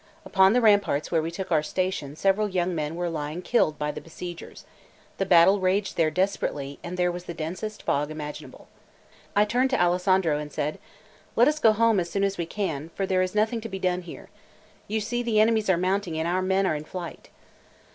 Upon the ramparts where we took our station several young men were lying killed by the besiegers; the battle raged there desperately, and there was the densest fog imaginable. I turned to Alessandro and said: "Let us go home as soon as we can, for there is nothing to be done here; you see the enemies are mounting, and our men are in flight."